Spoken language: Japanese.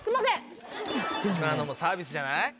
今のサービスじゃない？